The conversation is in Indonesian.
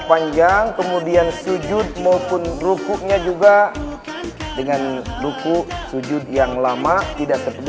panjang kemudian sujud maupun rukunya juga dengan ruku sujud yang lama tidak seperti